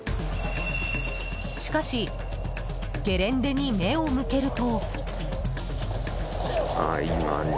しかしゲレンデに目を向けると。